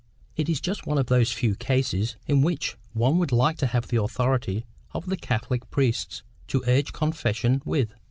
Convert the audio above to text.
It is just one of those few cases in which one would like to have the authority of the Catholic priests to urge confession with.